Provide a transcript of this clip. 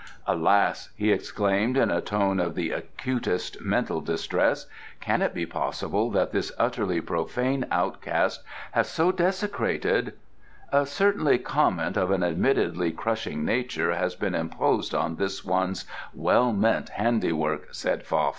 "Alas!" he exclaimed, in a tone of the acutest mental distress; "can it be possible that this utterly profane outcast has so desecrated " "Certainly comment of an admittedly crushing nature has been imposed on this one's well meant handiwork," said Fa Fai.